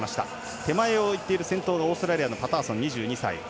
手前をいっているオーストラリアのパターソン２２歳。